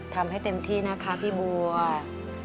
ทำให้เต็มที่นะคะพี่บัว